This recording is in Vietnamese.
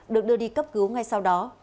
được đưa đi cấp cứu ngay sau đó